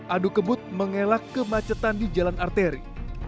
adu kebut mengelak kemacetan di jalan arteri